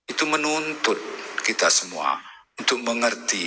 itu menuntut kita semua untuk mengerti